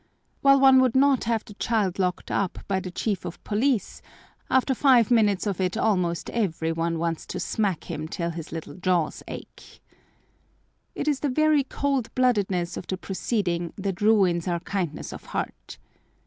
While one would not have the child locked up by the chief of police, after five minutes of it almost every one wants to smack him till his little jaws ache. It is the very cold bloodedness of the proceeding that ruins our kindness of heart.